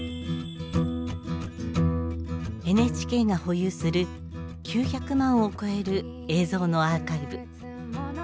ＮＨＫが保有する９００万を超える映像のアーカイブ。